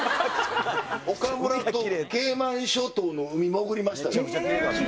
岡村とケイマン諸島の海潜りましたよ。